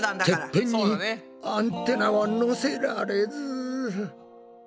てっぺんにアンテナはのせられず。